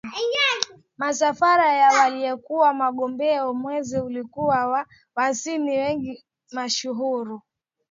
Msafara wa aliyekuwa mgombea mwenza ulikuwa na wasanii wengi mashuhuri